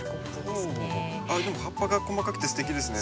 でも葉っぱが細かくてすてきですね。